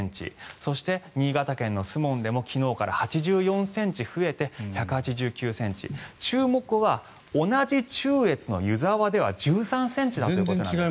そして、新潟県の守門でも昨日から８４ｃｍ増えて１８９ｃｍ注目は同じ中越の湯沢では１３ｃｍだったということです。